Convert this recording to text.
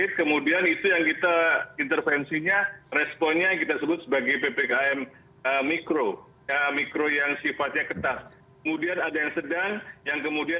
terima kasih pak pak